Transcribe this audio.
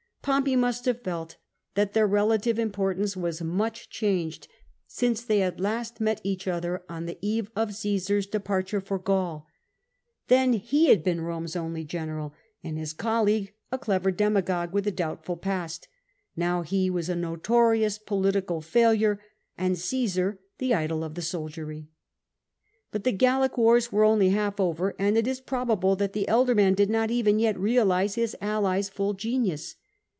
Pompey must have felt that their relative importance was much changed since they had last met each other on the eve of Caesar's departure for Gaul. Then he had been Eome's only general, and Ms colleague a clever demagogue with a doubtful past : now he was a notorious political failure and Cmsar the idol of the soldiery, ihit the Gallic wars were only half over, and it is probable that the elder man did not oven yet realise his ally's full genius.